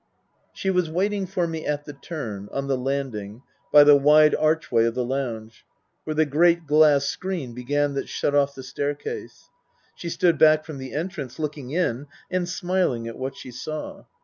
She was waiting for me at the turn, on the landing, by the wide archway of the lounge, where the great glass screen began that shut off the staircase. She stood back from the entrance, looking in, and smiling at what she saw.